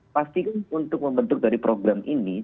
pastikan untuk membentuk dari program ini